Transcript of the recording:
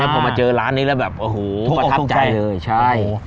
พอมาเจอร้านนี้แล้วแบบโอ้โหประทับใจเลยใช่